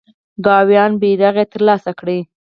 کاویان بیرغ یې تر لاسه کړ.